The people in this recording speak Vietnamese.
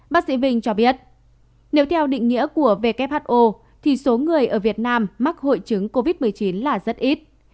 bác sĩ vinh cho biết nếu theo định nghĩa của who thì số người ở việt nam mắc hội chứng covid một mươi chín là rất ít